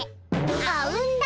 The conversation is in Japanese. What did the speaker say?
あうんだ！